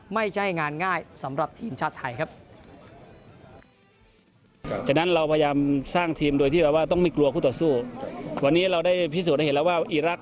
ไม่ใช่งานง่ายสำหรับทีมชาติไทยครับ